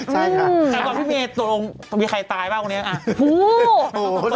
แต่พี่เมตตรงต้องมีใครตายบ้างวันนี้นะ